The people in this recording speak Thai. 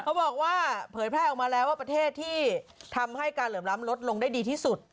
เขาบอกว่าเผยแพร่ออกมาแล้วว่าประเทศที่ทำให้การเหลื่อมล้ำลดลงได้ดีที่สุด